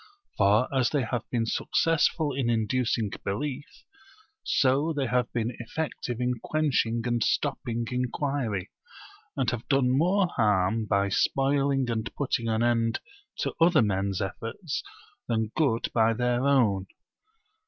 For as they have been successful in inducing belief, so they have been effective in quenching and stopping inquiry; and have done more harm by spoiling and putting an end to other men's efforts than good by their own.